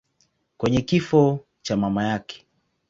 kwenye kifo cha mama yake.